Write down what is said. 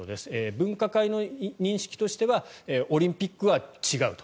分科会の認識としてはオリンピックは違うと。